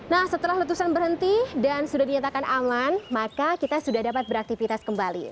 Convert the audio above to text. nah setelah letusan berhenti dan sudah dinyatakan aman maka kita sudah dapat beraktivitas kembali